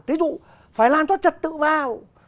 thí dụ phải làm cho trật tự vào